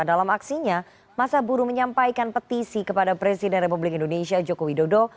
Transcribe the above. dalam aksinya masa buruh menyampaikan petisi kepada presiden republik indonesia joko widodo